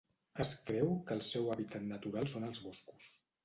Es creu que el seu hàbitat natural són els boscos.